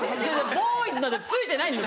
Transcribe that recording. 「ボーイズ」なんて付いてないんですよ